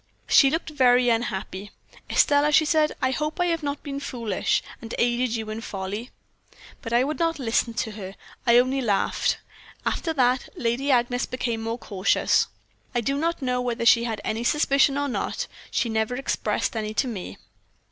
"She looked very unhappy. "'Estelle,' she said, 'I hope I have not been foolish, and aided you in folly?' "But I would not listen to her I only laughed. After that Lady Agnes became more cautious. I do not know whether she had any suspicion or not she never expressed any to me.